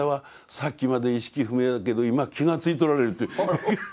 さっきまで意識不明だけど今気がついておられる」って。